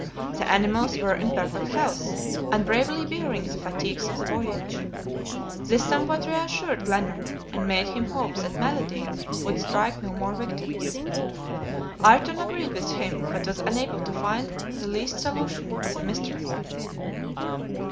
The animals were in perfect health, and bravely bearing the fatigues of the voyage. This somewhat reassured Glenarvan, and made him hope the malady would strike no more victims. Ayrton agreed with him, but was unable to find the least solution of the mystery.